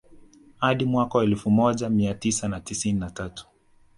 Hadi mwaka wa elfu moja mia tisa na tisini na tatu